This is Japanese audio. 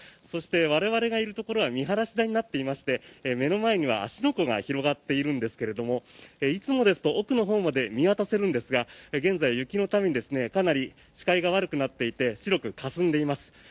そして、我々がいるところは見晴らし台になっていまして目の前には芦ノ湖が広がっているんですがいつもですと奥のほうまで見渡せるんですが現在、雪のためにかなり視界が悪くなっていて白くかすんでいます。